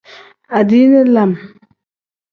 Adiini lam.